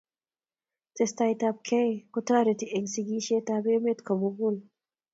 Testai ab kei kotareti eng' sigishet ab emet komug'ul